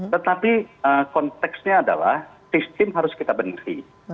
tetapi konteksnya adalah sistem harus kita benahi